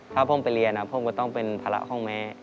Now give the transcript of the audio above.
ถ้าผมไปเรียนผมก็ต้องเป็นภาระของแม่